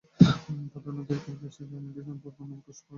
পদ্মা নদীর কোল ঘেঁষে গ্রামটির পূর্ব নাম কসবা।